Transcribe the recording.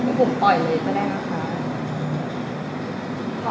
นี่ผมปล่อยเลยก็ได้นะคะ